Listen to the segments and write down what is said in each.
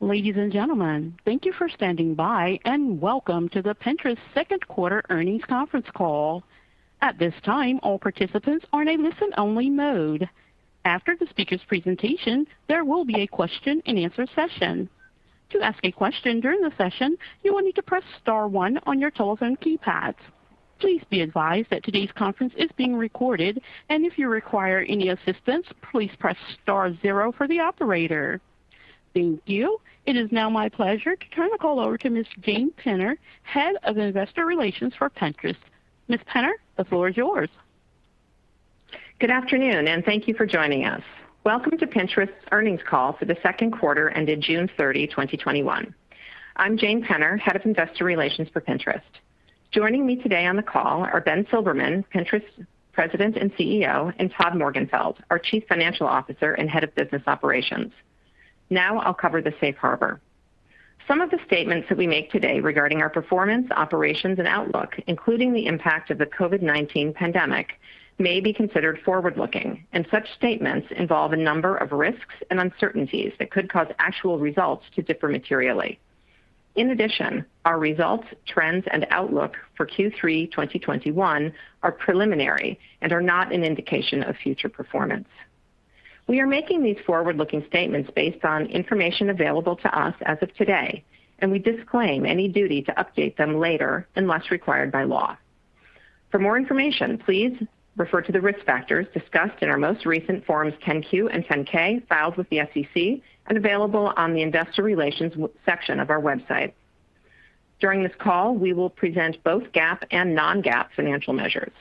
Ladies and gentlemen, thank you for standing by, and welcome to the Pinterest second quarter Earnings Conference Call. It is now my pleasure to turn the call over to Ms. Jane Penner, Head of Investor Relations for Pinterest. Ms. Penner, the floor is yours. Good afternoon. Thank you for joining us. Welcome to Pinterest's earnings call for the second quarter ended June 30, 2021. I'm Jane Penner, Head of Investor Relations for Pinterest. Joining me today on the call are Ben Silbermann, Pinterest President and CEO, and Todd Morgenfeld, our Chief Financial Officer and Head of Business Operations. I'll cover the safe harbor. Some of the statements that we make today regarding our performance, operations, and outlook, including the impact of the COVID-19 pandemic, may be considered forward-looking, and such statements involve a number of risks and uncertainties that could cause actual results to differ materially. Our results, trends, and outlook for Q3 2021 are preliminary and are not an indication of future performance. We are making these forward-looking statements based on information available to us as of today, and we disclaim any duty to update them later unless required by law. For more information, please refer to the risk factors discussed in our most recent Forms 10-Q and 10-K filed with the SEC, and available on the investor relations section of our website. During this call, we will present both GAAP and Non-GAAP financial measures.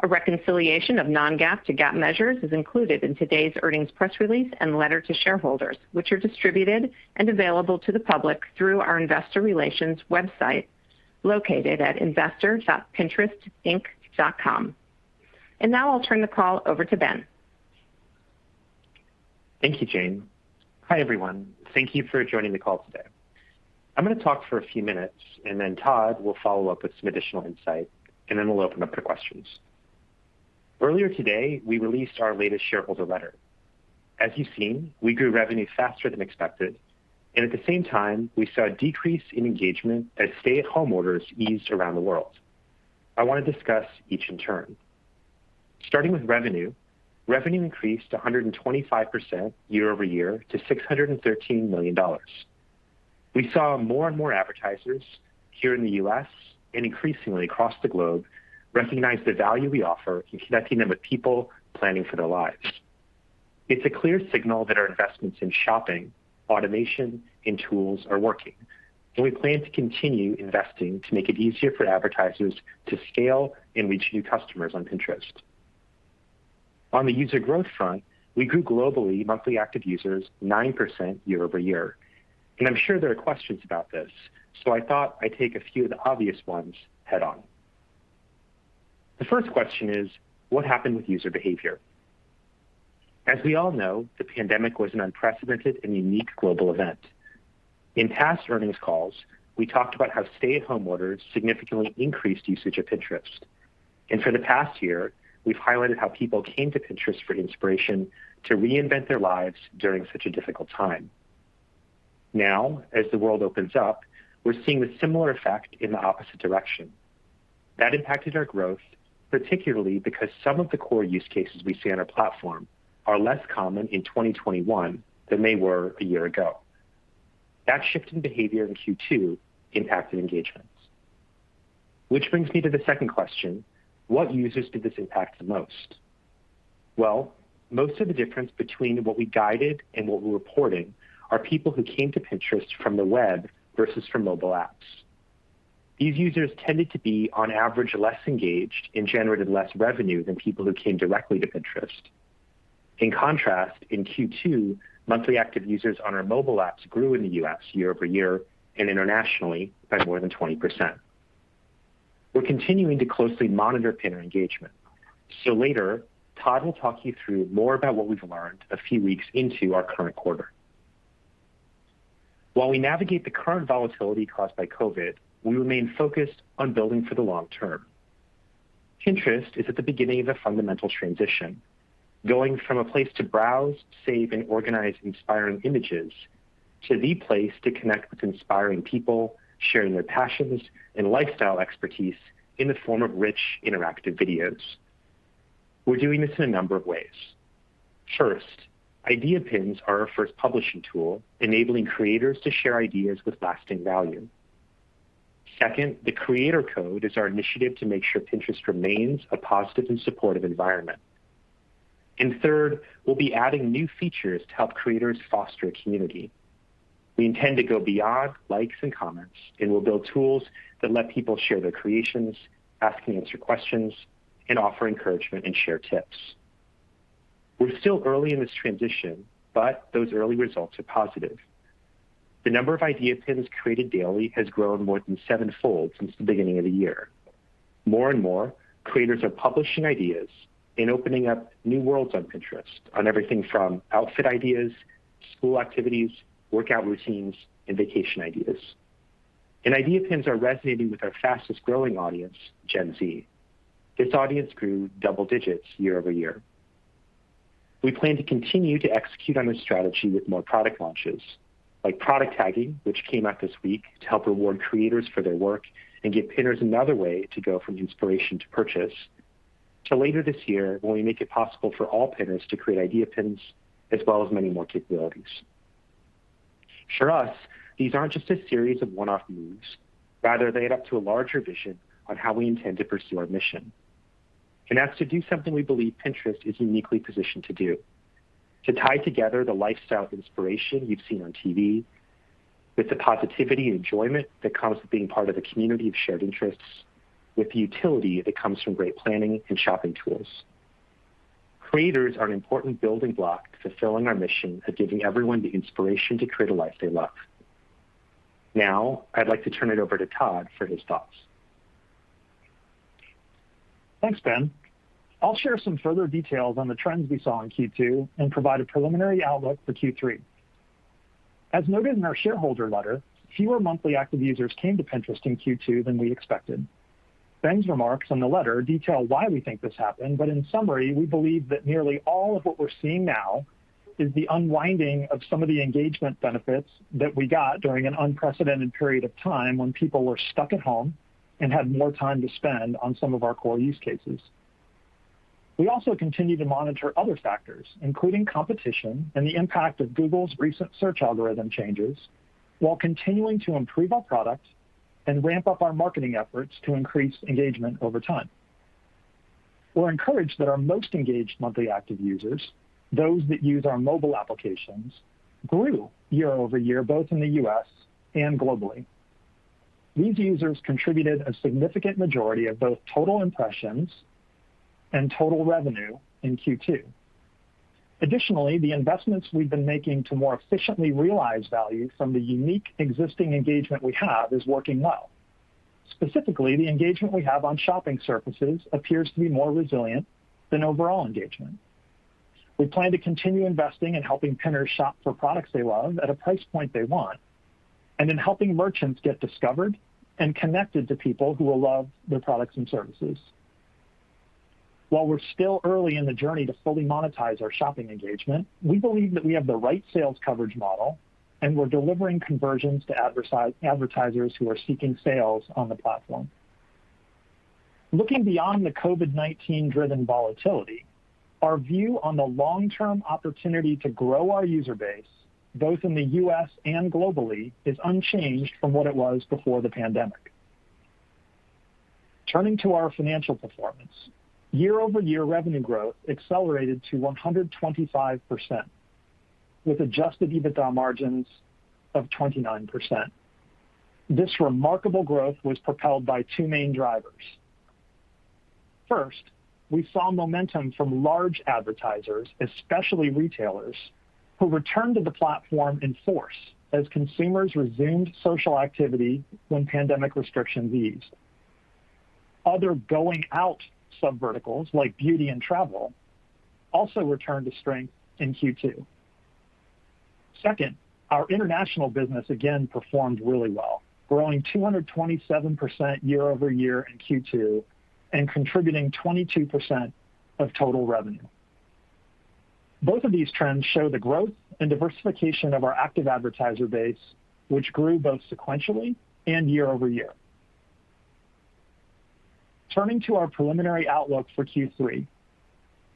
A reconciliation of Non-GAAP to GAAP measures is included in today's earnings press release and letter to shareholders, which are distributed and available to the public through our investor relations website located at investor.pinterest.com. Now I'll turn the call over to Ben. Thank you, Jane. Hi, everyone. Thank you for joining the call today. I'm going to talk for a few minutes, and then Todd will follow up with some additional insight, and then we'll open up for questions. Earlier today, we released our latest shareholder letter. As you've seen, we grew revenue faster than expected, and at the same time, we saw a decrease in engagement as stay-at-home orders eased around the world. I want to discuss each in turn. Starting with revenue increased 125% year-over-year to $613 million. We saw more and more advertisers here in the U.S., and increasingly across the globe, recognize the value we offer in connecting them with people planning for their lives. It's a clear signal that our investments in shopping, automation, and tools are working. We plan to continue investing to make it easier for advertisers to scale and reach new customers on Pinterest. On the user growth front, we grew globally monthly active users 9% year-over-year. I'm sure there are questions about this. I thought I'd take a few of the obvious ones head-on. The first question is: What happened with user behavior? As we all know, the pandemic was an unprecedented and unique global event. In past earnings calls, we talked about how stay-at-home orders significantly increased usage of Pinterest. For the past year, we've highlighted how people came to Pinterest for inspiration to reinvent their lives during such a difficult time. Now, as the world opens up, we're seeing a similar effect in the opposite direction. That impacted our growth, particularly because some of the core use cases we see on our platform are less common in 2021 than they were a year ago. That shift in behavior in Q2 impacted engagements. Brings me to the second question: What users did this impact the most? Well, most of the difference between what we guided and what we reported are people who came to Pinterest from the web versus from mobile apps. These users tended to be, on average, less engaged and generated less revenue than people who came directly to Pinterest. In contrast, in Q2, monthly active users on our mobile apps grew in the U.S., year-over-year and internationally by more than 20%. We're continuing to closely monitor Pinner engagement. Later, Todd will talk you through more about what we've learned a few weeks into our current quarter. While we navigate the current volatility caused by COVID-19, we remain focused on building for the long term. Pinterest is at the beginning of a fundamental transition, going from a place to browse, save, and organize inspiring images to the place to connect with inspiring people sharing their passions and lifestyle expertise in the form of rich interactive videos. We're doing this in a number of ways. First, Idea Pins are our first publishing tool, enabling creators to share ideas with lasting value. Second, the Creator Code is our initiative to make sure Pinterest remains a positive and supportive environment. Third, we'll be adding new features to help creators foster a community. We intend to go beyond likes and comments, and we'll build tools that let people share their creations, ask and answer questions, and offer encouragement and share tips. We're still early in this transition, but those early results are positive. The number of Idea Pins created daily has grown more than sevenfold since the beginning of the year. More and more, creators are publishing ideas and opening up new worlds on Pinterest on everything from outfit ideas, school activities, workout routines, and vacation ideas. Idea Pins are resonating with our fastest-growing audience, Gen Z. This audience grew double digits year-over-year. We plan to continue to execute on this strategy with more product launches like Product Tagging, which came out this week to help reward creators for their work and give pinners another way to go from inspiration to purchase, to later this year when we make it possible for all pinners to create Idea Pins as well as many more capabilities. For us, these aren't just a series of one-off moves. Rather, they add up to a larger vision on how we intend to pursue our mission, and that's to do something we believe Pinterest is uniquely positioned to do: to tie together the lifestyle inspiration you've seen on TV with the positivity and enjoyment that comes with being part of a community of shared interests, with the utility that comes from great planning and shopping tools. Creators are an important building block to fulfilling our mission of giving everyone the inspiration to create a life they love. Now, I'd like to turn it over to Todd for his thoughts. Thanks, Ben. I'll share some further details on the trends we saw in Q2 and provide a preliminary outlook for Q3. As noted in our shareholder letter, fewer monthly active users came to Pinterest in Q2 than we expected. Ben's remarks on the letter detail why we think this happened, but in summary, we believe that nearly all of what we're seeing now is the unwinding of some of the engagement benefits that we got during an unprecedented period of time when people were stuck at home and had more time to spend on some of our core use cases. We also continue to monitor other factors, including competition and the impact of Google's recent search algorithm changes while continuing to improve our product and ramp up our marketing efforts to increase engagement over time. We're encouraged that our most engaged monthly active users, those that use our mobile applications, grew year-over-year, both in the U.S., and globally. These users contributed a significant majority of both total impressions and total revenue in Q2. Additionally, the investments we've been making to more efficiently realize value from the unique existing engagement we have is working well. Specifically, the engagement we have on shopping surfaces appears to be more resilient than overall engagement. We plan to continue investing in helping pinners shop for products they love at a price point they want and in helping merchants get discovered and connected to people who will love their products and services. While we're still early in the journey to fully monetize our shopping engagement, we believe that we have the right sales coverage model, and we're delivering conversions to advertisers who are seeking sales on the platform. Looking beyond the COVID-19-driven volatility, our view on the long-term opportunity to grow our user base, both in the U.S., and globally, is unchanged from what it was before the pandemic. Turning to our financial performance, year-over-year revenue growth accelerated to 125% with adjusted EBITDA margins of 29%. This remarkable growth was propelled by two main drivers. First, we saw momentum from large advertisers, especially retailers, who returned to the platform in force as consumers resumed social activity when pandemic restrictions eased. Other going out sub verticals like beauty and travel also returned to strength in Q2. Second, our international business again performed really well, growing 227% year-over-year in Q2 and contributing 22% of total revenue. Both of these trends show the growth and diversification of our active advertiser base, which grew both sequentially and year-over-year. Turning to our preliminary outlook for Q3,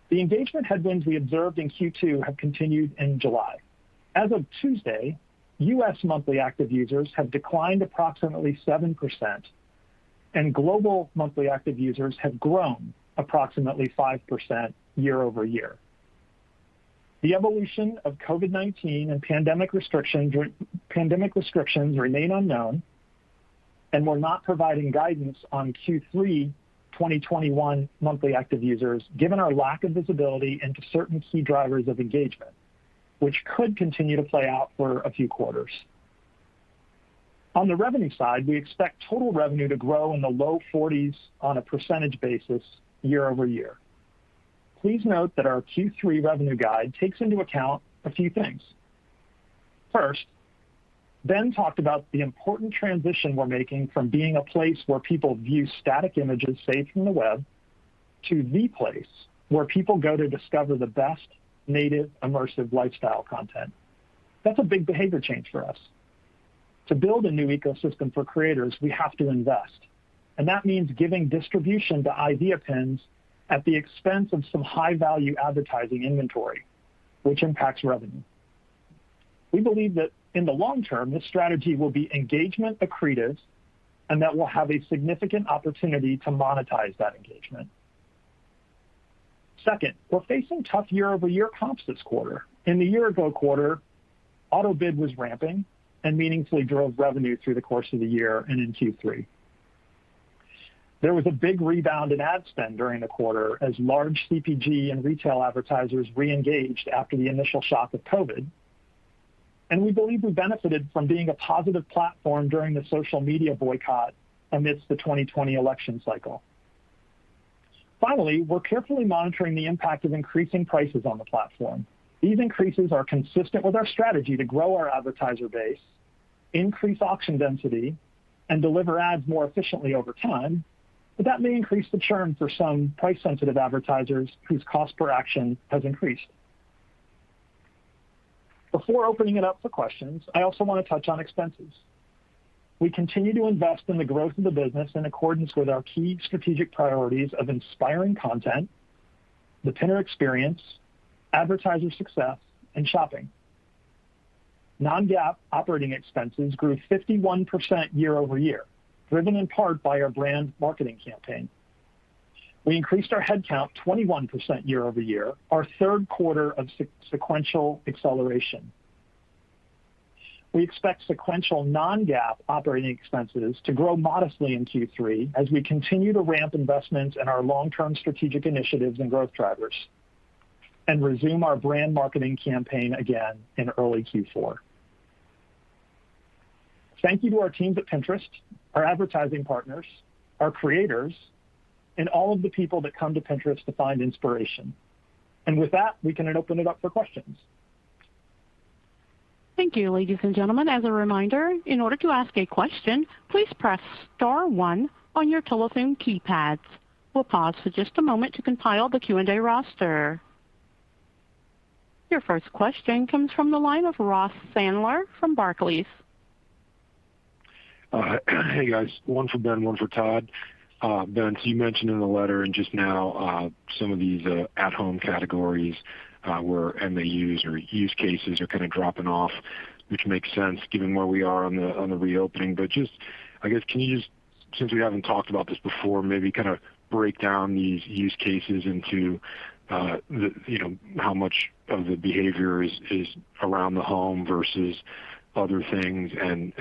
the engagement headwinds we observed in Q2 have continued in July. As of Tuesday, US monthly active users have declined approximately 7%, and global monthly active users have grown approximately 5% year-over-year. The evolution of COVID-19 and pandemic restrictions remain unknown. We're not providing guidance on Q3 2021 monthly active users given our lack of visibility into certain key drivers of engagement, which could continue to play out for a few quarters. On the revenue side, we expect total revenue to grow in the low 40s on a percentage basis year-over-year. Please note that our Q3 revenue guide takes into account a few things. First, Ben talked about the important transition we're making from being a place where people view static images saved from the web to the place where people go to discover the best native immersive lifestyle content. That's a big behavior change for us. To build a new ecosystem for creators, we have to invest, and that means giving distribution to Idea Pins at the expense of some high-value advertising inventory, which impacts revenue. We believe that in the long term, this strategy will be engagement accretive and that we'll have a significant opportunity to monetize that engagement. Second, we're facing tough year-over-year comps this quarter. In the year-ago quarter, auto-bid was ramping and meaningfully drove revenue through the course of the year and in Q3. There was a big rebound in ad spend during the quarter as large CPG and retail advertisers reengaged after the initial shock of COVID-19, and we believe we benefited from being a positive platform during the social media boycott amidst the 2020 election cycle. Finally, we're carefully monitoring the impact of increasing prices on the platform. These increases are consistent with our strategy to grow our advertiser base, increase auction density, and deliver ads more efficiently over time, but that may increase the churn for some price-sensitive advertisers whose cost per action has increased. Before opening it up for questions, I also want to touch on expenses. We continue to invest in the growth of the business in accordance with our key strategic priorities of inspiring content, the Pinterest experience, advertiser success, and shopping. Non-GAAP operating expenses grew 51% year-over-year, driven in part by our brand marketing campaign. We increased our head count 21% year-over-year, our third quarter of sequential acceleration. We expect sequential non-GAAP operating expenses to grow modestly in Q3 as we continue to ramp investments in our long-term strategic initiatives and growth drivers and resume our brand marketing campaign again in early Q4. Thank you to our teams at Pinterest, our advertising partners, our creators, and all of the people that come to Pinterest to find inspiration. With that, we can then open it up for questions. Thank you, ladies and gentlemen. As a reminder, in order to ask a question, please press star one on your telephone keypads. We'll pause for just a moment to compile the Q&A roster. Your first question comes from the line of Ross Sandler from Barclays. Hey, guys. One for Ben, one for Todd. Ben, you mentioned in the letter and just now some of these at-home categories where MAUs or use cases are kind of dropping off, which makes sense given where we are on the reopening. Just, I guess, can you just, since we haven't talked about this before, maybe kind of break down these use cases into how much of the behavior is around the home versus other things and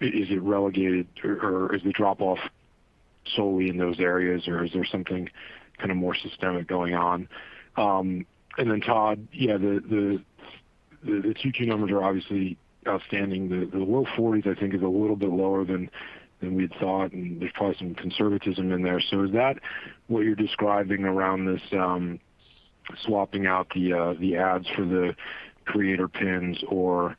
is it relegated or is the drop-off solely in those areas, or is there something kind of more systemic going on? Todd, yeah, the 2Q numbers are obviously outstanding. The low 40s, I think, is a little bit lower than we'd thought, there's probably some conservatism in there. Is that what you're describing around this swapping out the ads for the Creator Pins, or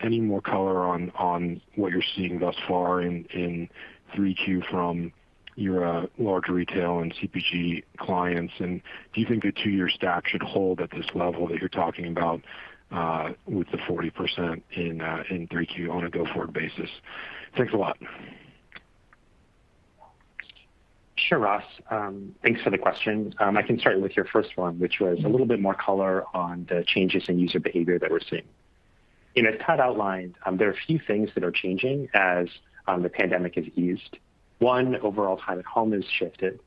any more color on what you're seeing thus far in 3Q from your larger retail and CPG clients? Do you think the two-year stack should hold at this level that you're talking about with the 40% in 3Q on a go-forward basis? Thanks a lot. Sure, Ross. Thanks for the question. I can start with your first one, which was a little bit more color on the changes in user behavior that we're seeing. You know, Todd outlined there are a few things that are changing as the pandemic has eased. One, overall time at home has shifted.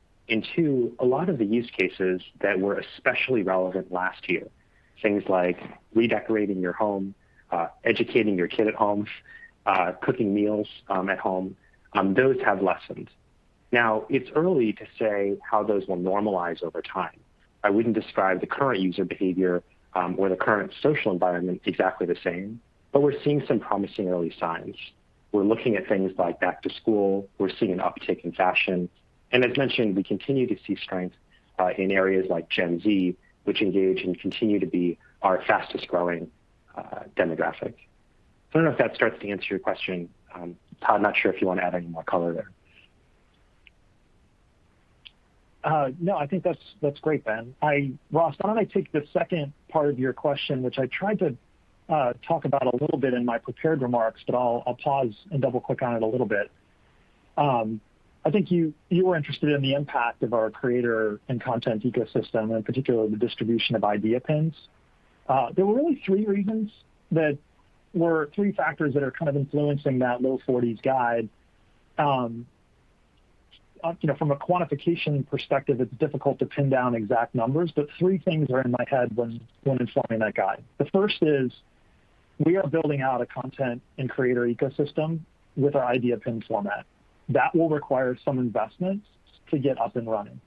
Two, a lot of the use cases that were especially relevant last year, things like redecorating your home, educating your kid at home, cooking meals at home, those have lessened. Now, it's early to say how those will normalize over time. I wouldn't describe the current user behavior or the current social environment exactly the same, but we're seeing some promising early signs. We're looking at things like back to school. We're seeing an uptick in fashion. As mentioned, we continue to see strength in areas like Gen Z, which engage and continue to be our fastest-growing demographic. I don't know if that starts to answer your question. Todd, not sure if you want to add any more color there. No, I think that's great, Ben. Ross, why don't I take the second part of your question, which I tried to talk about a little bit in my prepared remarks, but I'll pause and double-click on it a little bit. I think you were interested in the impact of our creator and content ecosystem, and particularly the distribution of Idea Pins. There were really three reasons that were three factors that are kind of influencing that low 40s guide. From a quantification perspective, it's difficult to pin down exact numbers, but three things are in my head when informing that guide. The first is we are building out a content and creator ecosystem with our Idea Pin format. That will require some investments to get up and running.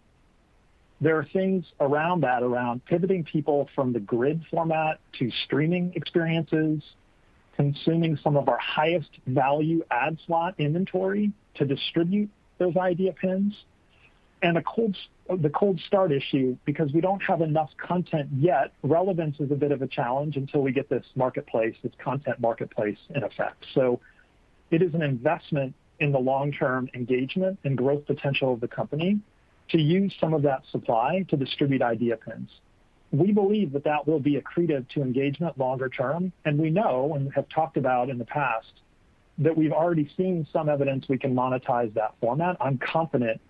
There are things around that, around pivoting people from the grid format to streaming experiences, consuming some of our highest value ad slot inventory to distribute those Idea Pins, and the cold start issue because we don't have enough content yet. Relevance is a bit of a challenge until we get this marketplace, this content marketplace in effect. It is an investment in the long-term engagement and growth potential of the company to use some of that supply to distribute Idea Pins. We believe that that will be accretive to engagement longer term, and we know and have talked about in the past that we've already seen some evidence we can monetize that format. I'm confident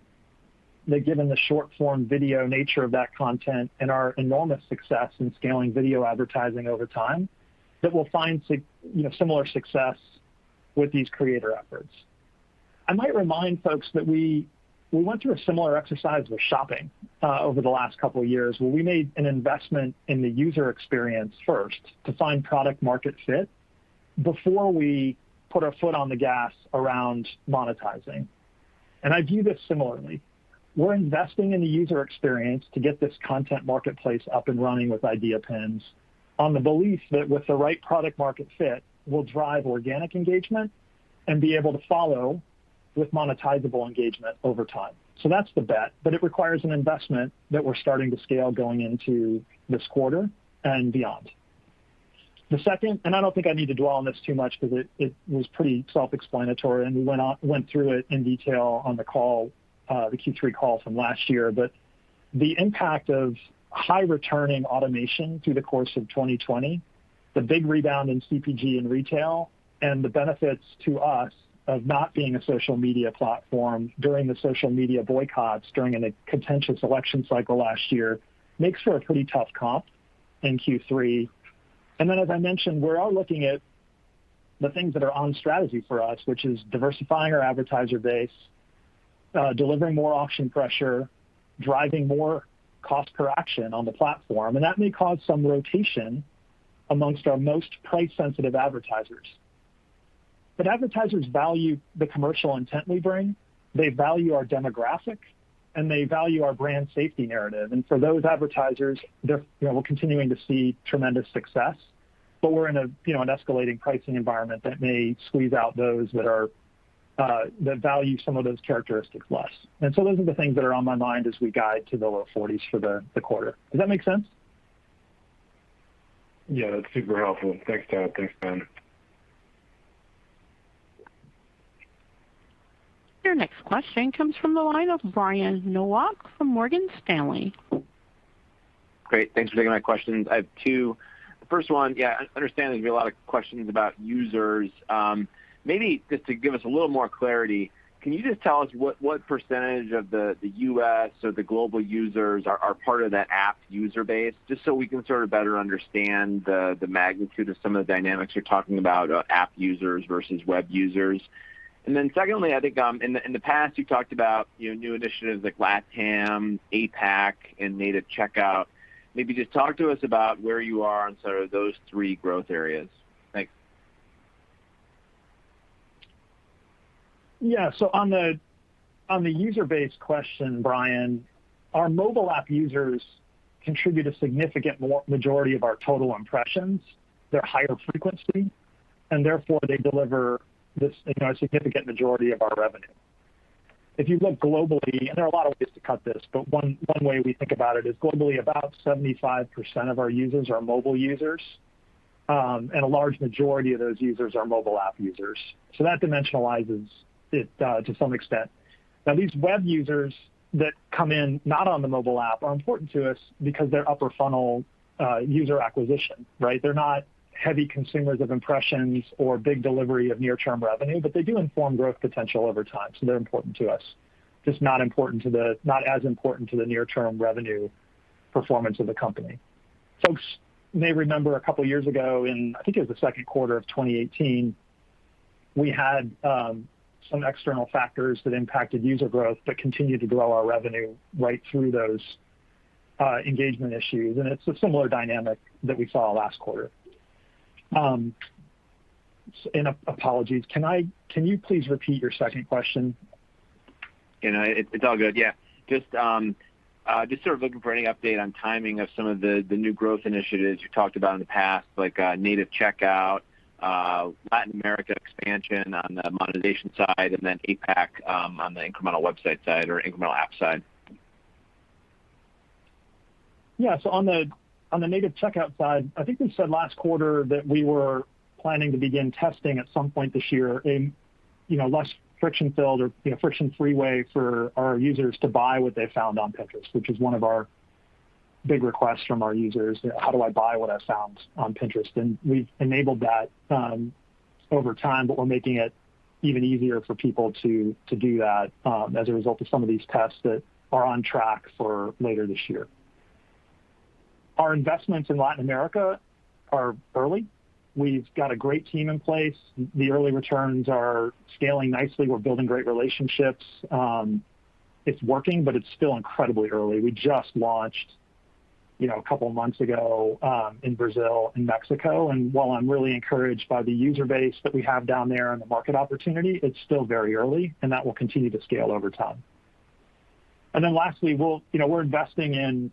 that given the short-form video nature of that content and our enormous success in scaling video advertising over time, that we'll find similar success with these creator efforts. I might remind folks that we went through a similar exercise with shopping over the last couple of years, where we made an investment in the user experience first to find product market fit before we put our foot on the gas around monetizing. I view this similarly. We're investing in the user experience to get this content marketplace up and running with Idea Pins on the belief that with the right product market fit, we'll drive organic engagement and be able to follow with monetizable engagement over time. That's the bet, but it requires an investment that we're starting to scale going into this quarter and beyond. The second, I don't think I need to dwell on this too much because it was pretty self-explanatory, and we went through it in detail on the Q3 call from last year. The impact of high-returning automation through the course of 2020, the big rebound in CPG and retail, and the benefits to us of not being a social media platform during the social media boycotts during a contentious election cycle last year makes for a pretty tough comp in Q3. Then, as I mentioned, we're out looking at the things that are on strategy for us, which is diversifying our advertiser base, delivering more auction pressure, driving more cost per action on the platform. Advertisers value the commercial intent we bring, they value our demographic, and they value our brand safety narrative. We're in an escalating pricing environment that may squeeze out those that value some of those characteristics less. Those are the things that are on my mind as we guide to the low 40s for the quarter. Does that make sense? Yeah, that's super helpful. Thanks, Todd. Thanks, Ben. Your next question comes from the line of Brian Nowak from Morgan Stanley. Great. Thanks for taking my questions. I have two. The first one, yeah, I understand there's been a lot of questions about users. Maybe just to give us a little more clarity, can you just tell us what % of the U.S. or the global users are part of that app user base? Just so we can sort of better understand the magnitude of some of the dynamics you're talking about, app users versus web users. Secondly, I think in the past, you talked about new initiatives like LATAM, APAC, and native checkout. Maybe just talk to us about where you are on sort of those three growth areas. Thanks. Yeah. On the user base question, Brian, our mobile app users contribute a significant majority of our total impressions. They're higher frequency, and therefore, they deliver a significant majority of our revenue. If you look globally, and there are a lot of ways to cut this, but one way we think about it is globally, about 75% of our users are mobile users. A large majority of those users are mobile app users. That dimensionalizes it to some extent. Now, these web users that come in not on the mobile app are important to us because they're upper funnel user acquisition, right? They're not heavy consumers of impressions or big delivery of near-term revenue, but they do inform growth potential over time, so they're important to U.S. Just not as important to the near-term revenue performance of the company. Folks may remember a couple of years ago in, I think it was the second quarter of 2018, we had some external factors that impacted user growth but continued to grow our revenue right through those engagement issues, and it's a similar dynamic that we saw last quarter. Apologies, can you please repeat your second question? It's all good. Yeah. Just sort of looking for any update on timing of some of the new growth initiatives you talked about in the past, like native checkout, Latin America expansion on the monetization side, and then APAC on the incremental website side or incremental app side. On the native checkout side, I think we said last quarter that we were planning to begin testing at some point this year a less friction-filled or friction-free way for our users to buy what they found on Pinterest, which is one of our big requests from our users, "How do I buy what I found on Pinterest?" We've enabled that over time, but we're making it even easier for people to do that as a result of some of these tests that are on track for later this year. Our investments in Latin America are early. We've got a great team in place. The early returns are scaling nicely. We're building great relationships. It's working, but it's still incredibly early. We just launched a couple of months ago in Brazil and Mexico, and while I'm really encouraged by the user base that we have down there and the market opportunity, it's still very early, and that will continue to scale over time. Lastly, we're investing in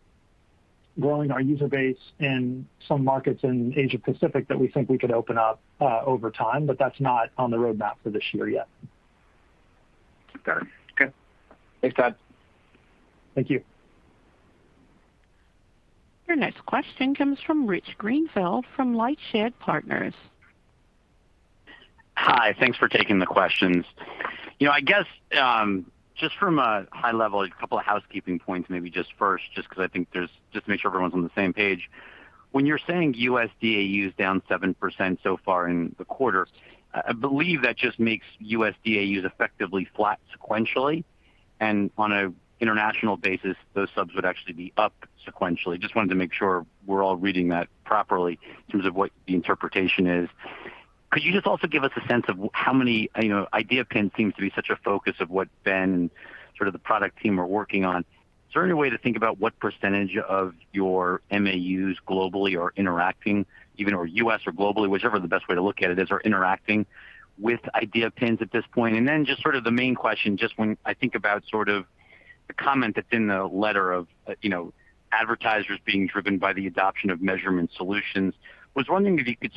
growing our user base in some markets in Asia Pacific that we think we could open up over time, but that's not on the roadmap for this year yet. Got it. Okay. Thanks, Todd. Thank you. Your next question comes from Rich Greenfield from LightShed Partners. Hi. Thanks for taking the questions. I guess, just from a high level, a couple of housekeeping points, maybe just first, just to make sure everyone's on the same page. When you're saying U.S. DAU is down 7% so far in the quarter, I believe that just makes U.S. DAUs effectively flat sequentially. On an international basis, those subs would actually be up sequentially. Just wanted to make sure we're all reading that properly in terms of what the interpretation is. Could you just also give us a sense. Idea Pin seems to be such a focus of what Ben and sort of the product team are working on. Is there any way to think about what percentage of your MAUs globally are interacting even, or U.S. or globally, whichever the best way to look at it is, are interacting with Idea Pins at this point? Then just sort of the main question, just when I think about The comment that's in the letter of advertisers being driven by the adoption of measurement solutions, was wondering if you could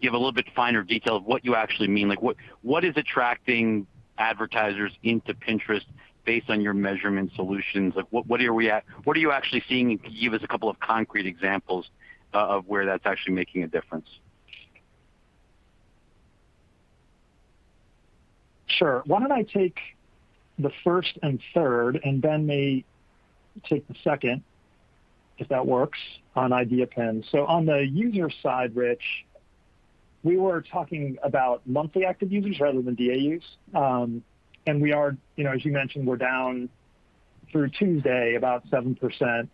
give a little bit finer detail of what you actually mean. What is attracting advertisers into Pinterest based on your measurement solutions? What are you actually seeing? Could you give us a couple of concrete examples of where that's actually making a difference? Sure. Why don't I take the first and third, and Ben may take the second, if that works, on Idea Pins. On the user side, Rich, we were talking about monthly active users rather than DAUs As you mentioned, we're down through Tuesday about 7%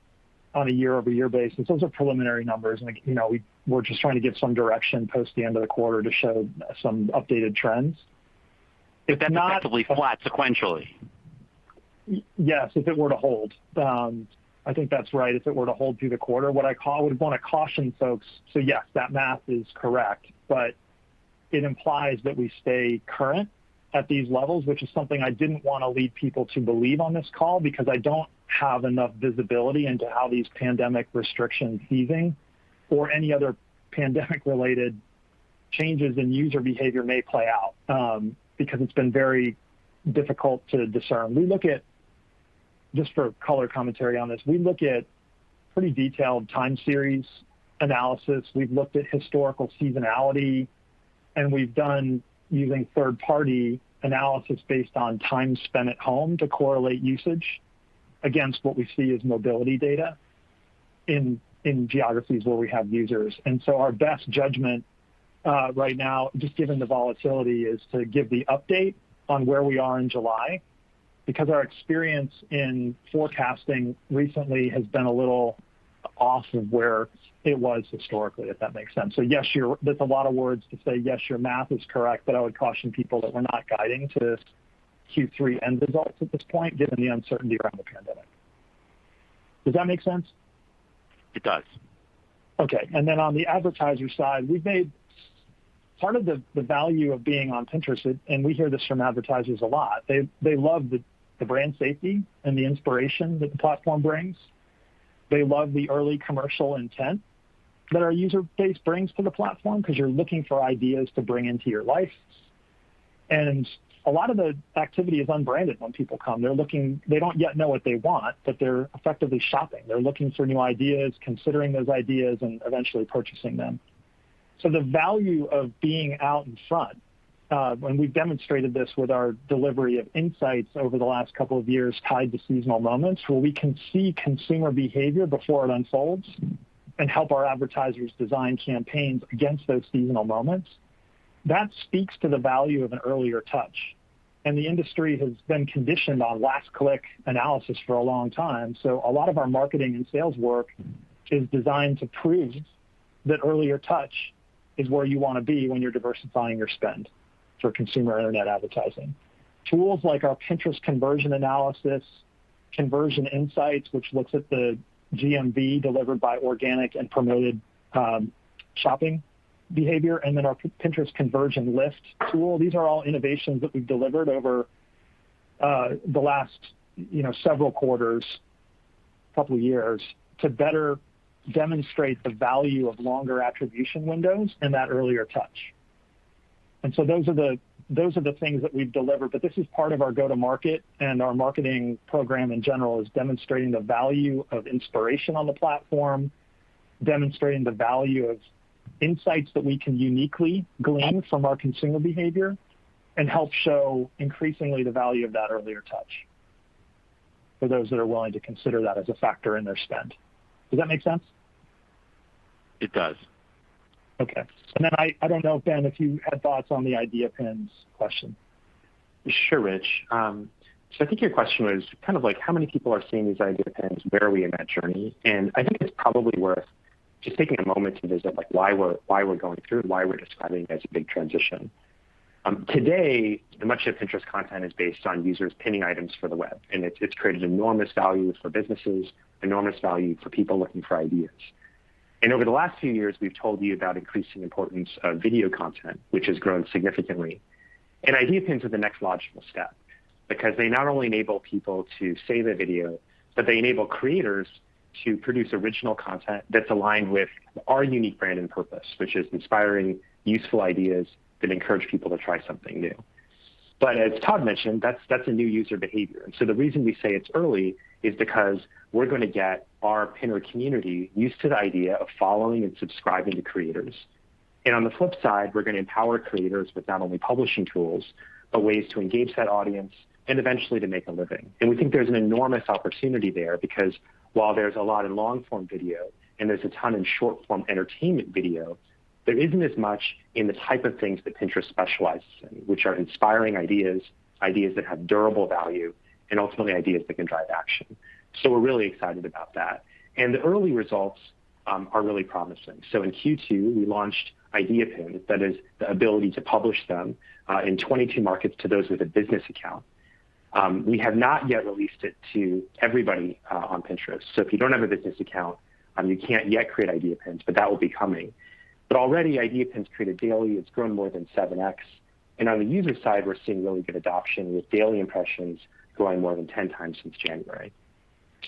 on a year-over-year basis. Those are preliminary numbers, and we're just trying to give some direction post the end of the quarter to show some updated trends. If that's effectively flat sequentially. Yes, if it were to hold. I think that's right. If it were to hold through the quarter. What I would want to caution folks, yes, that math is correct, but it implies that we stay current at these levels, which is something I didn't want to lead people to believe on this call because I don't have enough visibility into how these pandemic restrictions easing or any other pandemic-related changes in user behavior may play out, because it's been very difficult to discern. Just for color commentary on this, we look at pretty detailed time series analysis. We've looked at historical seasonality. We've done using third-party analysis based on time spent at home to correlate usage against what we see as mobility data in geographies where we have users. Our best judgment right now, just given the volatility, is to give the update on where we are in July, because our experience in forecasting recently has been a little off of where it was historically, if that makes sense. That's a lot of words to say, yes, your math is correct, but I would caution people that we're not guiding to Q3 end results at this point, given the uncertainty around the pandemic. Does that make sense? It does. On the advertiser side, part of the value of being on Pinterest, and we hear this from advertisers a lot, they love the brand safety and the inspiration that the platform brings. They love the early commercial intent that our user base brings to the platform because you're looking for ideas to bring into your life. A lot of the activity is unbranded when people come. They don't yet know what they want, but they're effectively shopping. They're looking for new ideas, considering those ideas, and eventually purchasing them. The value of being out in front, and we've demonstrated this with our delivery of insights over the last couple of years tied to seasonal moments where we can see consumer behavior before it unfolds and help our advertisers design campaigns against those seasonal moments. That speaks to the value of an earlier touch, and the industry has been conditioned on last click analysis for a long time. A lot of our marketing and sales work is designed to prove that earlier touch is where you're want to be when you're diversifying your spend for consumer internet advertising. Tools like our Pinterest Conversion Analysis, Conversion Insights, which looks at the GMV delivered by organic and promoted shopping behavior, and then our Pinterest Conversion Lift tool, these are all innovations that we've delivered over the last several quarters, two years, to better demonstrate the value of longer attribution windows and that earlier touch. Those are the things that we've delivered, but this is part of our go-to-market and our marketing program in general is demonstrating the value of inspiration on the platform, demonstrating the value of insights that we can uniquely glean from our consumer behavior, and help show increasingly the value of that earlier touch for those that are willing to consider that as a factor in their spend. Does that make sense? It does. Okay. I don't know, Ben, if you had thoughts on the Idea Pins question. Sure, Rich. I think your question was kind of like how many people are seeing these Idea Pins? Where are we in that journey? I think it's probably worth just taking a moment to visit why we're going through, why we're describing it as a big transition. Today, much of Pinterest content is based on users pinning items for the web, and it's created enormous value for businesses, enormous value for people looking for ideas. Over the last few years, we've told you about increasing importance of video content, which has grown significantly. Idea Pins are the next logical step because they not only enable people to save a video, but they enable creators to produce original content that's aligned with our unique brand and purpose, which is inspiring, useful ideas that encourage people to try something new. As Todd mentioned, that's a new user behavior. The reason we say it's early is because we're going to get our Pinner community used to the idea of following and subscribing to creators. On the flip side, we're going to empower creators with not only publishing tools, but ways to engage that audience and eventually to make a living. We think there's an enormous opportunity there because while there's a lot in long-form video and there's a ton in short-form entertainment video, there isn't as much in the type of things that Pinterest specializes in, which are inspiring ideas that have durable value, and ultimately ideas that can drive action. We're really excited about that, and the early results are really promising. In Q2, we launched Idea Pins, that is the ability to publish them, in 22 markets to those with a business account. We have not yet released it to everybody on Pinterest. If you don't have a business account, you can't yet create Idea Pins, but that will be coming. Already, Idea Pins created daily, it's grown more than 7X. On the user side, we're seeing really good adoption with daily impressions growing more than 10X since January.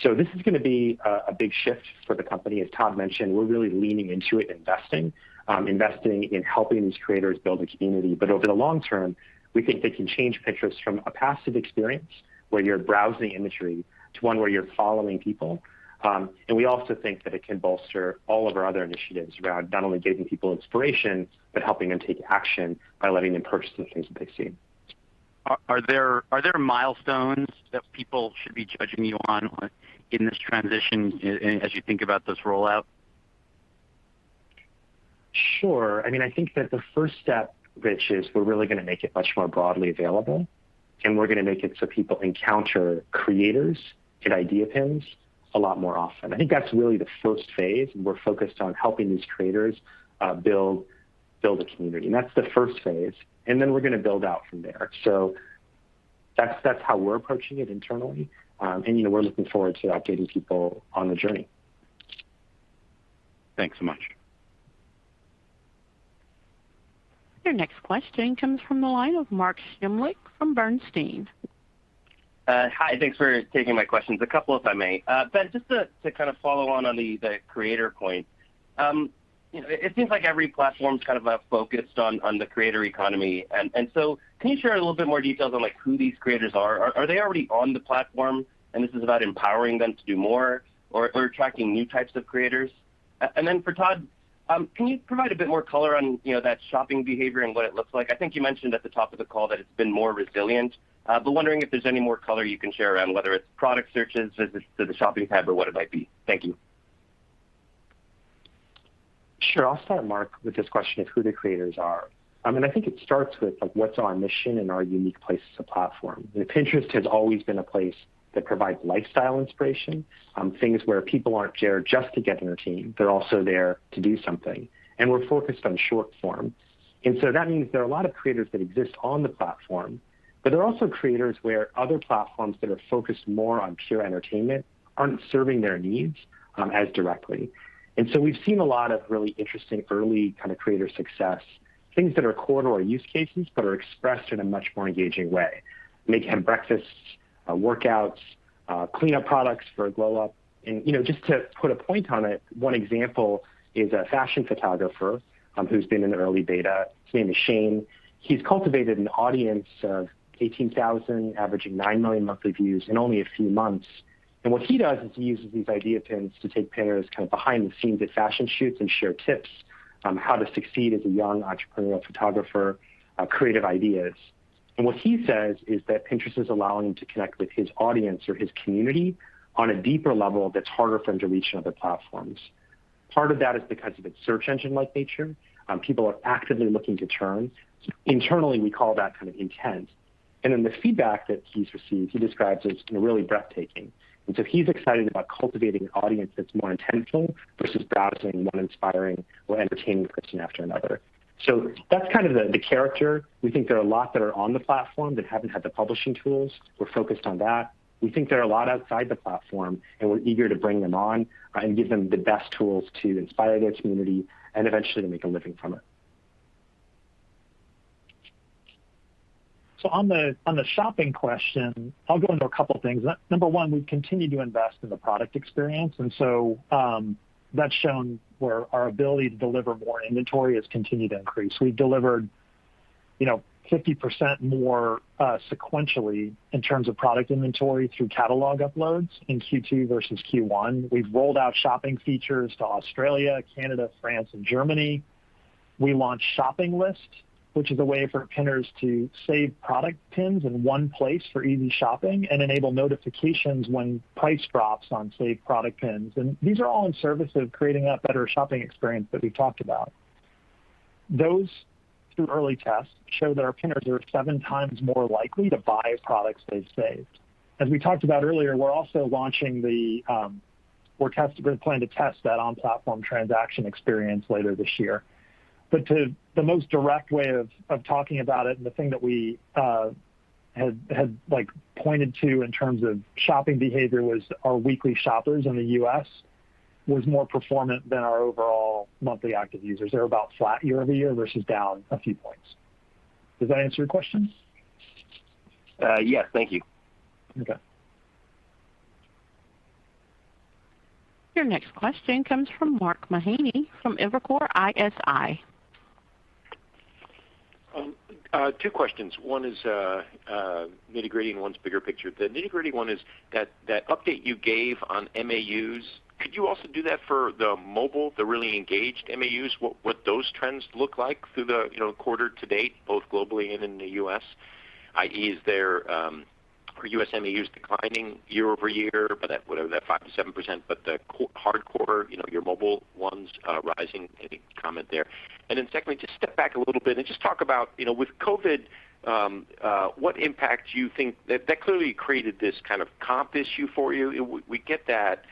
This is going to be a big shift for the company. As Todd mentioned, we're really leaning into it, investing in helping these creators build a community. Over the long term, we think they can change Pinterest from a passive experience where you're browsing imagery, to one where you're following people. We also think that it can bolster all of our other initiatives around not only giving people inspiration, but helping them take action by letting them purchase the things that they see. Are there milestones that people should be judging you on in this transition as you think about this rollout? Sure. I think that the first step, Rich, is we're really going to make it much more broadly available, and we're going to make it so people encounter creators and Idea Pins a lot more often. I think that's really the first phase, and we're focused on helping these creators build a community. That's the first phase. Then we're going to build out from there. That's how we're approaching it internally. We're looking forward to updating people on the journey. Thanks so much. Your next question comes from the line of Mark Shmulik from Bernstein. Hi, thanks for taking my questions. A couple, if I may. Ben, just to kind of follow on the creator point. It seems like every platform's kind of focused on the creator economy. Can you share a little bit more details on who these creators are? Are they already on the platform, and this is about empowering them to do more, or attracting new types of creators? For Todd, can you provide a bit more color on that shopping behavior and what it looks like? I think you mentioned at the top of the call that it's been more resilient. Wondering if there's any more color you can share around whether it's product searches, visits to the shopping tab, or what it might be. Thank you. Sure. I'll start, Mark, with this question of who the creators are. I think it starts with what's our mission and our unique place as a platform. Pinterest has always been a place that provides lifestyle inspiration, things where people aren't there just to get entertained, they're also there to do something. We're focused on short form. That means there are a lot of creators that exist on the platform, but there are also creators where other platforms that are focused more on pure entertainment aren't serving their needs as directly. We've seen a lot of really interesting early kind of creator success, things that are core to our use cases, but are expressed in a much more engaging way. Make-ahead breakfasts, workouts, cleanup products for a glow-up. Just to put a point on it, one example is a fashion photographer who's been in the early beta. His name is Shane. He's cultivated an audience of 18,000, averaging nine million monthly views in only a few months. What he does is he uses these Idea Pins to take pinners kind of behind the scenes at fashion shoots and share tips on how to succeed as a young entrepreneurial photographer, creative ideas. What he says is that Pinterest is allowing him to connect with his audience or his community on a deeper level that's harder for him to reach on other platforms. Part of that is because of its search engine-like nature. People are actively looking to turn. Internally, we call that kind of intent. Then the feedback that he's received, he describes as really breathtaking. He's excited about cultivating an audience that's more intentional versus browsing one inspiring or entertaining person after another. That's kind of the character. We think there are a lot that are on the platform that haven't had the publishing tools. We're focused on that. We think there are a lot outside the platform, and we're eager to bring them on and give them the best tools to inspire their community and eventually to make a living from it. On the shopping question, I'll go into a couple things. Number 1, we've continued to invest in the product experience, that's shown where our ability to deliver more inventory has continued to increase. We've delivered 50% more sequentially in terms of product inventory through catalog uploads in Q2 versus Q1. We've rolled out shopping features to Australia, Canada, France, and Germany. We launched Shopping List, which is a way for pinners to save product pins in one place for easy shopping and enable notifications when price drops on saved product pins. These are all in service of creating that better shopping experience that we've talked about. Those, through early tests, show that our pinners are seven times more likely to buy products they've saved. As we talked about earlier, we're also planning to test that on-platform transaction experience later this year. The most direct way of talking about it, and the thing that we had pointed to in terms of shopping behavior, was our weekly shoppers in the U.S. was more performant than our overall monthly active users. They're about flat year-over-year versus down a few points. Does that answer your question? Yes. Thank you. Okay. Your next question comes from Mark Mahaney from Evercore ISI. Two questions. 1 is nitty-gritty and 1's bigger picture. The nitty-gritty 1 is that update you gave on MAUs, could you also do that for the mobile, the really engaged MAUs, what those trends look like through the quarter to date, both globally and in the US? I.E. are US MAUs declining year-over-year by that 5%-7%, but the hardcore, your mobile ones, rising, any comment there? Secondly, just step back a little bit and just talk about with COVID, that clearly created this kind of comp issue for you. We get that.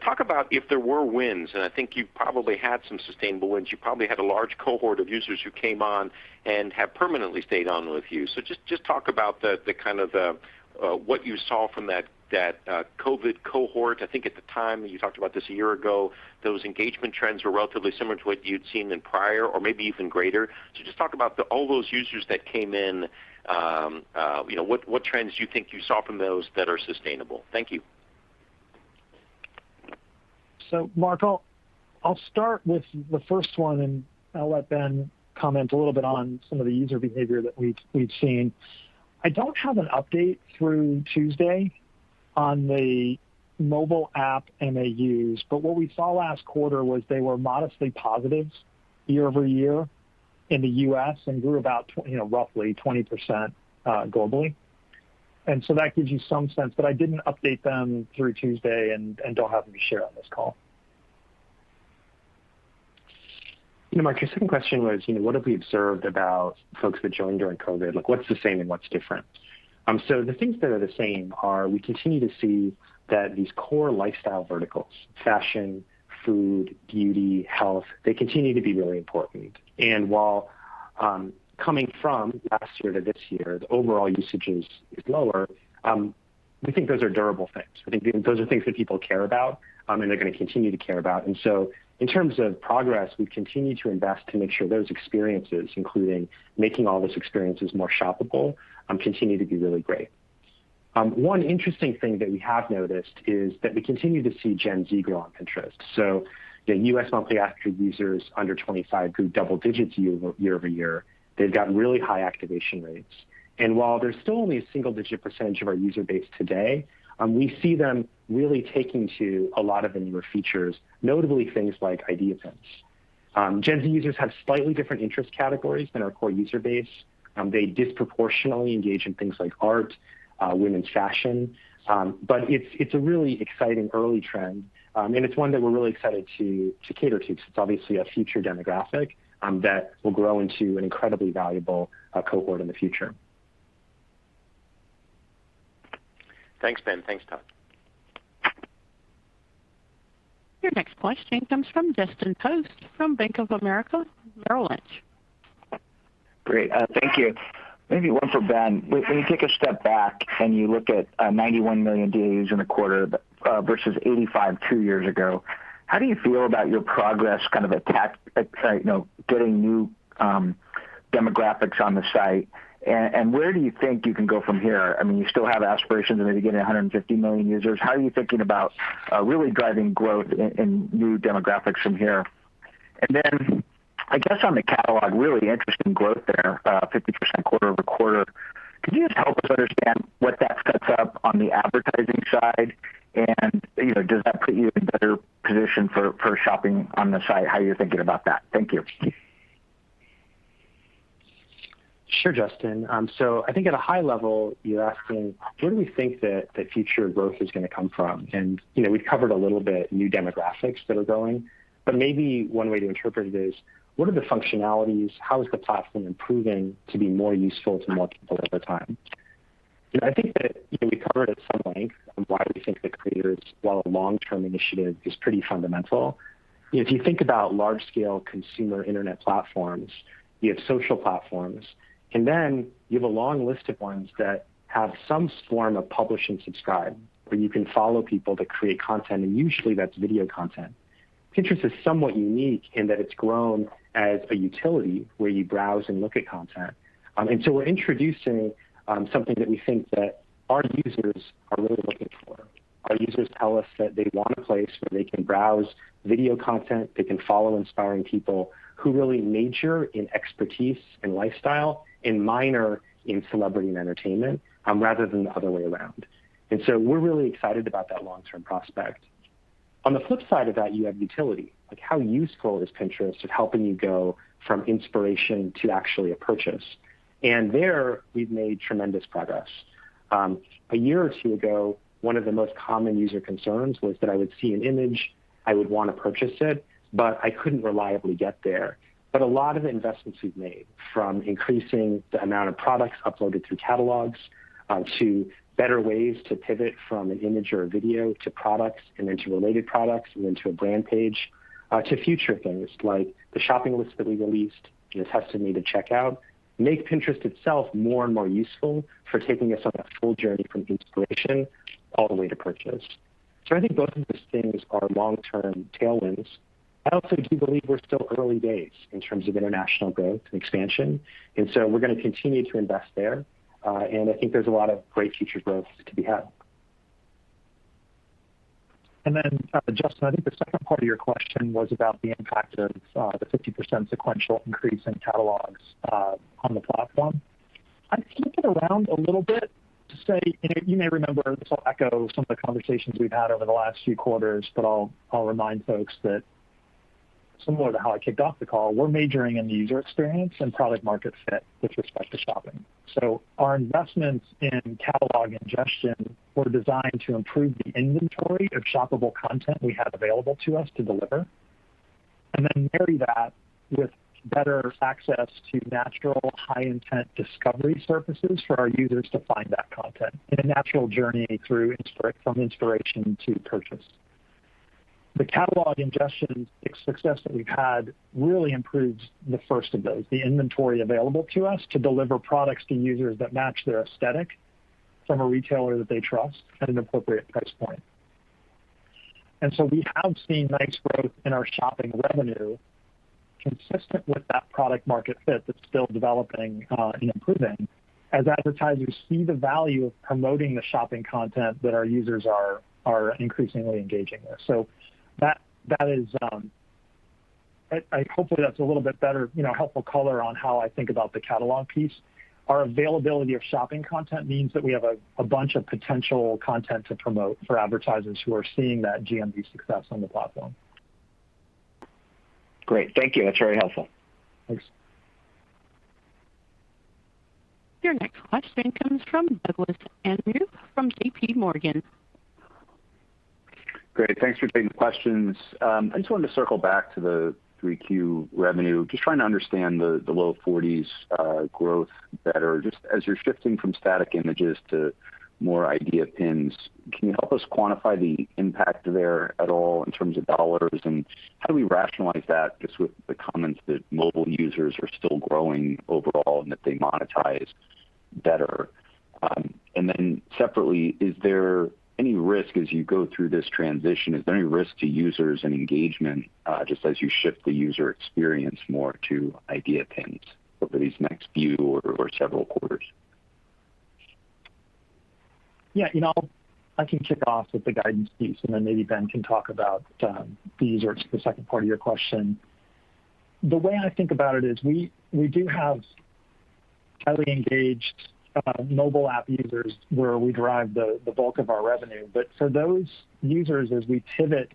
Talk about if there were wins, and I think you've probably had some sustainable wins. You probably had a large cohort of users who came on and have permanently stayed on with you. Just talk about what you saw from that COVID cohort. I think at the time you talked about this a year ago, those engagement trends were relatively similar to what you'd seen in prior or maybe even greater. Just talk about all those users that came in, what trends do you think you saw from those that are sustainable? Thank you. Mark, I'll start with the first one, and I'll let Ben comment a little bit on some of the user behavior that we've seen. I don't have an update through Tuesday on the mobile app MAUs, but what we saw last quarter was they were modestly positive year-over-year in the US and grew about roughly 20% globally. That gives you some sense. I didn't update them through Tuesday and don't have them to share on this call. Mark, your second question was what have we observed about folks that joined during COVID? What's the same and what's different? The things that are the same are we continue to see that these core lifestyle verticals, fashion, food, beauty, health, they continue to be really important. While coming from last year to this year, the overall usage is lower. We think those are durable things. I think those are things that people care about, and they're going to continue to care about. In terms of progress, we continue to invest to make sure those experiences, including making all those experiences more shoppable, continue to be really great. One interesting thing that we have noticed is that we continue to see Gen Z grow on Pinterest. The US monthly active users under 25 grew double digits year-over-year. They've got really high activation rates. While they're still only a single-digit percentage of our user base today, we see them really taking to a lot of the newer features, notably things like Idea Pins. Gen Z users have slightly different interest categories than our core user base. They disproportionately engage in things like art, women's fashion. It's a really exciting early trend, and it's one that we're really excited to cater to because it's obviously a future demographic that will grow into an incredibly valuable cohort in the future. Thanks, Ben. Thanks, Todd. Your next question comes from Justin Post from Bank of America Merrill Lynch. Great. Thank you. Maybe one for Ben. When you take a step back and you look at 91 million DAUs in the quarter versus 85 two years ago, how do you feel about your progress kind of getting new demographics on the site? Where do you think you can go from here? You still have aspirations of maybe getting to 150 million users. How are you thinking about really driving growth in new demographics from here? Then I guess on the catalog, really interesting growth there, 50% quarter-over-quarter. Could you just help us understand what that sets up on the advertising side? Does that put you in a better position for shopping on the site? How are you thinking about that? Thank you. Sure, Justin. I think at a high level, you're asking where do we think that the future growth is going to come from? We've covered a little bit new demographics that are growing, but maybe one way to interpret it is what are the functionalities, how is the platform improving to be more useful to more people over time? I think that we covered at some length why we think that creators, while a long-term initiative, is pretty fundamental. If you think about large-scale consumer internet platforms, you have social platforms, and then you have a long list of ones that have some form of publish and subscribe where you can follow people that create content, and usually that's video content. Pinterest is somewhat unique in that it's grown as a utility where you browse and look at content. We're introducing something that we think that our users are really looking for. Our users tell us that they want a place where they can browse video content, they can follow inspiring people who really major in expertise and lifestyle and minor in celebrity and entertainment, rather than the other way around. We're really excited about that long-term prospect. On the flip side of that, you have utility. Like how useful is Pinterest at helping you go from inspiration to actually a purchase? There we've made tremendous progress. A year or two ago, one of the most common user concerns was that I would see an image, I would want to purchase it, but I couldn't reliably get there. A lot of the investments we've made, from increasing the amount of products uploaded to catalogs, to better ways to pivot from an image or a video to products and then to related products and then to a brand page, to future things like the Shopping List that we released and the tested native checkout, make Pinterest itself more and more useful for taking us on that full journey from inspiration all the way to purchase. I think both of those things are long-term tailwinds. I also do believe we're still early days in terms of international growth and expansion, and so we're going to continue to invest there. I think there's a lot of great future growth to be had. Justin, I think the second part of your question was about the impact of the 50% sequential increase in catalogs on the platform. I'd flip it around a little bit to say, you may remember, this will echo some of the conversations we've had over the last few quarters, but I'll remind folks that similar to how I kicked off the call, we're majoring in the user experience and product market fit with respect to shopping. Our investments in catalog ingestion were designed to improve the inventory of shoppable content we have available to us to deliver and then marry that with better access to natural high-intent discovery surfaces for our users to find that content in a natural journey from inspiration to purchase. The catalog ingestion success that we've had really improves the first of those, the inventory available to us to deliver products to users that match their aesthetic from a retailer that they trust at an appropriate price point. We have seen nice growth in our shopping revenue. Consistent with that product market fit that's still developing and improving, as advertisers see the value of promoting the shopping content that our users are increasingly engaging with. Hopefully that's a little bit better helpful color on how I think about the catalog piece. Our availability of shopping content means that we have a bunch of potential content to promote for advertisers who are seeing that GMV success on the platform. Great. Thank you. That's very helpful. Thanks. Your next question comes from Douglas Anmuth from JPMorgan. Great. Thanks for taking the questions. I just wanted to circle back to the 3Q revenue. Just trying to understand the low 40s growth better. Just as you're shifting from static images to more Idea Pins, can you help us quantify the impact there at all in terms of dollars? How do we rationalize that just with the comments that mobile users are still growing overall and that they monetize better? Separately, is there any risk as you go through this transition, is there any risk to users and engagement, just as you shift the user experience more to Idea Pins over these next few or several quarters? I can kick off with the guidance piece, and then maybe Ben can talk about the user, the second part of your question. The way I think about it is we do have highly engaged mobile app users where we derive the bulk of our revenue. For those users, as we pivot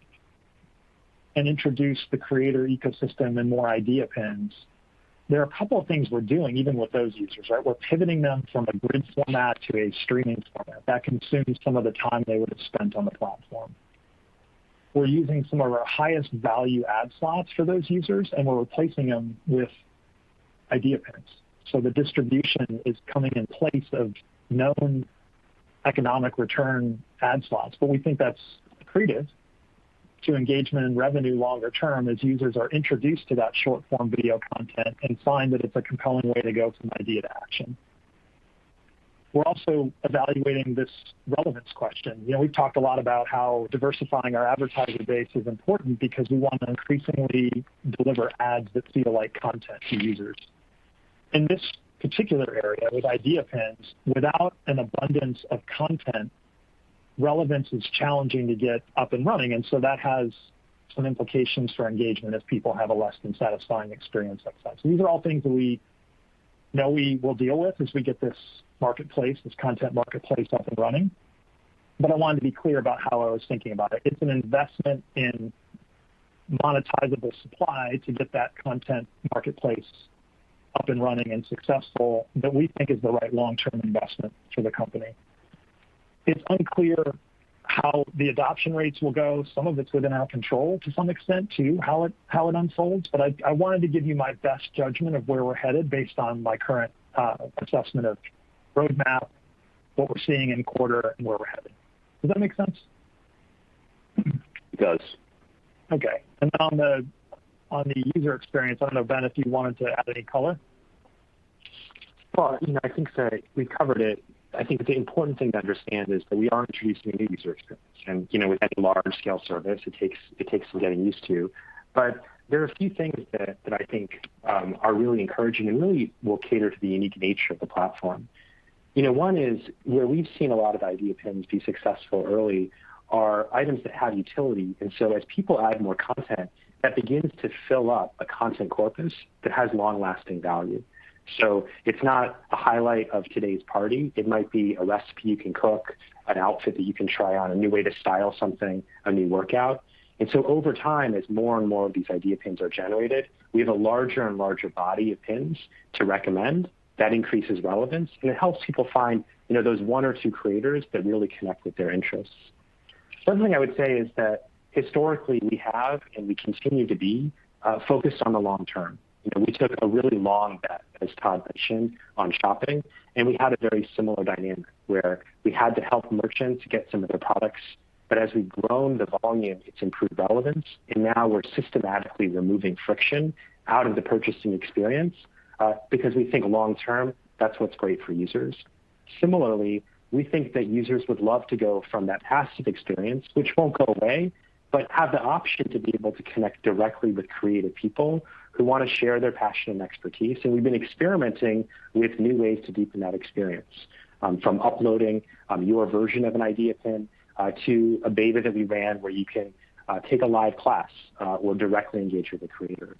and introduce the creator ecosystem and more Idea Pins, there are a couple of things we're doing even with those users, right? We're pivoting them from a grid format to a streaming format that consumes some of the time they would have spent on the platform. We're using some of our highest value ad slots for those users, and we're replacing them with Idea Pins. The distribution is coming in place of known economic return ad slots. We think that's accretive to engagement and revenue longer term as users are introduced to that short-form video content and find that it's a compelling way to go from idea to action. We're also evaluating this relevance question. We've talked a lot about how diversifying our advertising base is important because we want to increasingly deliver ads that feel like content to users. In this particular area, with Idea Pins, without an abundance of content, relevance is challenging to get up and running, and so that has some implications for engagement as people have a less than satisfying experience up front. These are all things that we know we will deal with as we get this content marketplace up and running. I wanted to be clear about how I was thinking about it. It's an investment in monetizable supply to get that content marketplace up and running and successful, that we think is the right long-term investment for the company. It's unclear how the adoption rates will go. Some of it's within our control to some extent, too, how it unfolds. I wanted to give you my best judgment of where we're headed based on my current assessment of roadmap, what we're seeing in quarter, and where we're headed. Does that make sense? It does. Okay. Then on the user experience, I don't know, Ben, if you wanted to add any color? I think that we've covered it. I think the important thing to understand is that we are introducing a new user experience. With any large-scale service, it takes some getting used to. There are a few things that I think are really encouraging and really will cater to the unique nature of the platform. One is where we've seen a lot of Idea Pins be successful early are items that have utility. As people add more content, that begins to fill up a content corpus that has long-lasting value. It's not a highlight of today's party. It might be a recipe you can cook, an outfit that you can try on, a new way to style something, a new workout. Over time, as more and more of these Idea Pins are generated, we have a larger and larger body of pins to recommend. That increases relevance, and it helps people find those one or two creators that really connect with their interests. One thing I would say is that historically, we have, and we continue to be, focused on the long term. We took a really long bet, as Todd mentioned, on shopping, and we had a very similar dynamic where we had to help merchants get some of their products. As we've grown the volume, it's improved relevance, and now we're systematically removing friction out of the purchasing experience because we think long term, that's what's great for users. Similarly, we think that users would love to go from that passive experience, which won't go away, but have the option to be able to connect directly with creative people who want to share their passion and expertise. We've been experimenting with new ways to deepen that experience. From uploading your version of an Idea Pin to a beta that we ran where you can take a live class or directly engage with a creator.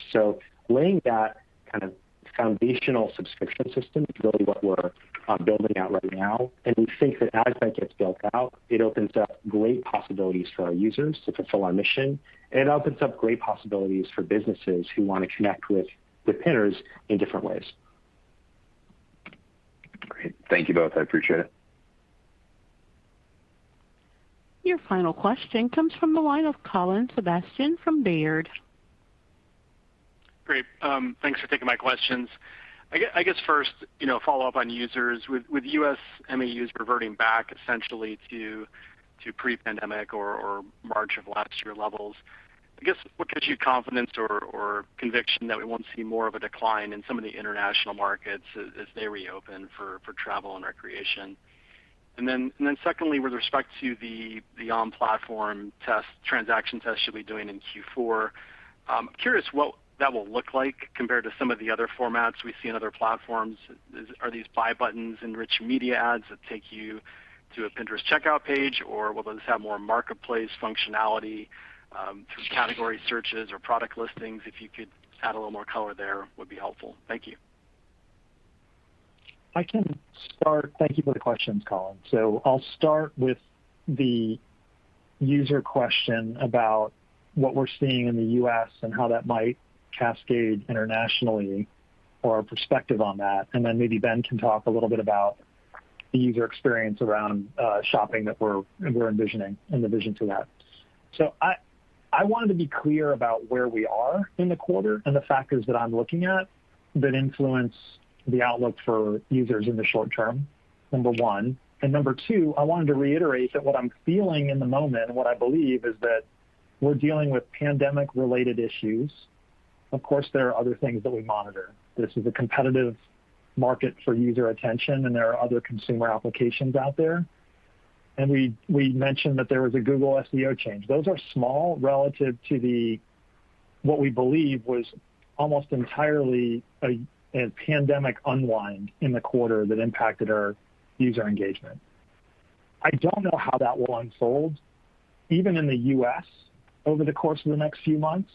Laying that kind of foundational subscription system is really what we're building out right now. We think that as that gets built out, it opens up great possibilities for our users to fulfill our mission, and it opens up great possibilities for businesses who want to connect with the pinners in different ways. Great. Thank you both. I appreciate it. Your final question comes from the line of Colin Sebastian from Baird. Great. Thanks for taking my questions. I guess first, follow up on users. With U.S. MAUs reverting back essentially to pre-pandemic or March of last year levels, I guess what gives you confidence or conviction that we won't see more of a decline in some of the international markets as they reopen for travel and recreation? Secondly, with respect to the on-platform transaction test you'll be doing in Q4, I'm curious what that will look like compared to some of the other formats we see in other platforms. Are these buy buttons rich media ads that take you to a Pinterest checkout page, or will those have more marketplace functionality through category searches or product listings? If you could add a little more color there, would be helpful. Thank you. I can start. Thank you for the questions, Colin. I'll start with the user question about what we're seeing in the U.S. and how that might cascade internationally or our perspective on that, and then maybe Ben can talk a little bit about the user experience around shopping that we're envisioning and the vision to that. I wanted to be clear about where we are in the quarter and the factors that I'm looking at that influence the outlook for users in the short term, number one. Number two, I wanted to reiterate that what I'm feeling in the moment and what I believe is that we're dealing with pandemic-related issues. Of course, there are other things that we monitor. This is a competitive market for user attention, and there are other consumer applications out there. We mentioned that there was a Google SEO change. Those are small relative to what we believe was almost entirely a pandemic unwind in the quarter that impacted our user engagement. I don't know how that will unfold, even in the U.S., over the course of the next few months,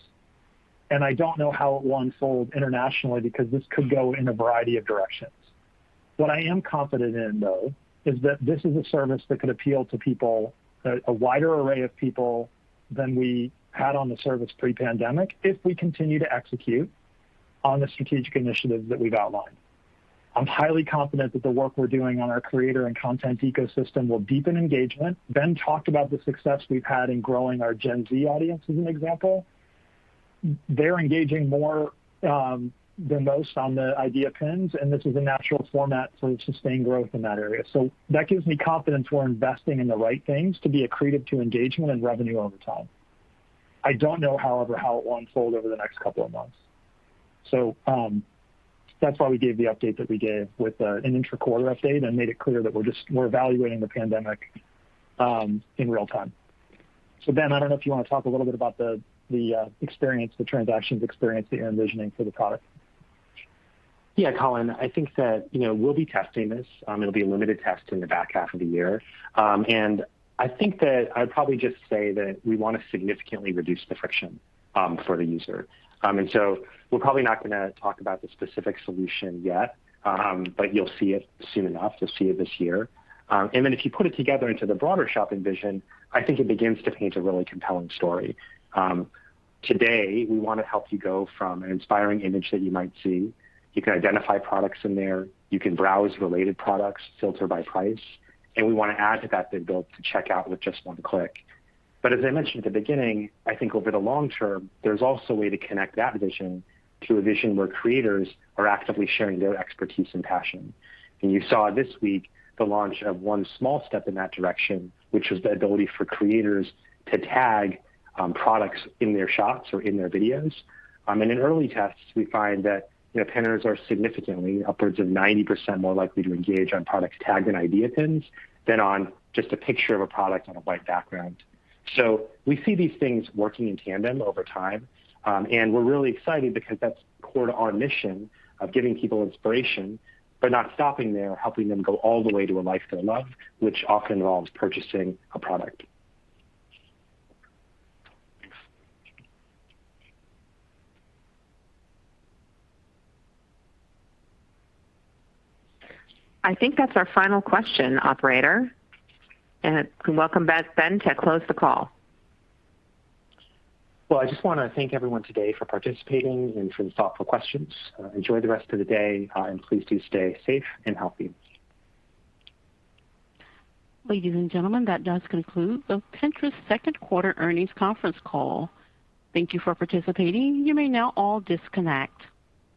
and I don't know how it will unfold internationally because this could go in a variety of directions. What I am confident in, though, is that this is a service that could appeal to a wider array of people than we had on the service pre-pandemic if we continue to execute on the strategic initiatives that we've outlined. I'm highly confident that the work we're doing on our creator and content ecosystem will deepen engagement. Ben talked about the success we've had in growing our Gen Z audience as an example. They're engaging more than most on the Idea Pins, and this is a natural format for sustained growth in that area. That gives me confidence we're investing in the right things to be accretive to engagement and revenue over time. I don't know, however, how it will unfold over the next couple of months. That's why we gave the update that we gave with an inter-quarter update and made it clear that we're evaluating the pandemic in real time. Ben, I don't know if you want to talk a little bit about the transactions experience that you're envisioning for the product. Yeah, Colin, I think that we'll be testing this. It'll be a limited test in the back half of the year. I think that I'd probably just say that we want to significantly reduce the friction for the user. We're probably not going to talk about the specific solution yet, but you'll see it soon enough. You'll see it this year. If you put it together into the broader shopping vision, I think it begins to paint a really compelling story. Today, we want to help you go from an inspiring image that you might see. You can identify products in there. You can browse related products, filter by price, and we want to add to that the ability to check out with just one click. As I mentioned at the beginning, I think over the long term, there's also a way to connect that vision to a vision where creators are actively sharing their expertise and passion. You saw this week the launch of one small step in that direction, which was the ability for creators to tag products in their shots or in their videos. In early tests, we find that Pinners are significantly, upwards of 90%, more likely to engage on products tagged in Idea Pins than on just a picture of a product on a white background. We see these things working in tandem over time, and we're really excited because that's core to our mission of giving people inspiration, but not stopping there, helping them go all the way to a life they love, which often involves purchasing a product. I think that's our final question, operator. Welcome back, Ben, to close the call. Well, I just want to thank everyone today for participating and for the thoughtful questions. Enjoy the rest of the day, and please do stay safe and healthy. Ladies and gentlemen, that does conclude the Pinterest second quarter earnings conference call. Thank you for participating. You may now all disconnect.